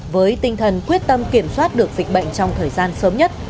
với tinh thần quyết tâm kiểm soát được dịch bệnh trong thời gian sớm nhất